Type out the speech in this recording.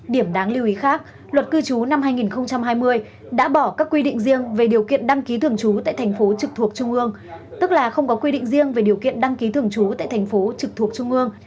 điểm đáng lưu ý khác luật cư trú năm hai nghìn hai mươi đã bỏ các quy định riêng về điều kiện đăng ký thường trú tại thành phố trực thuộc trung ương tức là không có quy định riêng về điều kiện đăng ký thường trú tại thành phố trực thuộc trung ương